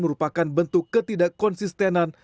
merupakan bentuk ketidakkonsistenan